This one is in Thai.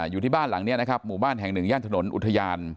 อยู่ที่บ้านหลังนี้นะครับหมู่บ้านแห่งหนึ่งย่านถนนอุทยาน